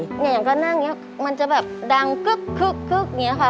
อย่างก็นั่งมันจะแบบดังคื๊ดคื๊ดนี่ค่ะ